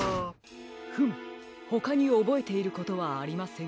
フムほかにおぼえていることはありませんか？